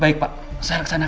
baik pak saya reksanakan